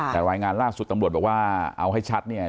แต่รายงานล่าสุดตำรวจบอกว่าเอาให้ชัดเนี่ย